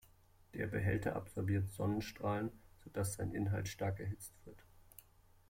Der Behälter absorbiert Sonnenstrahlen, so dass sein Inhalt stark erhitzt wird.